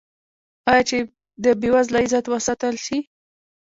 آیا چې د بې وزله عزت وساتل شي؟